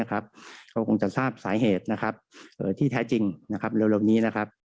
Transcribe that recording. ก็คงจะทราบสายเหตุที่แท้จริงเร็วนี้